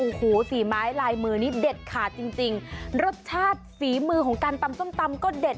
โอ้โหฝีไม้ลายมือนี้เด็ดขาดจริงจริงรสชาติฝีมือของการตำส้มตำก็เด็ด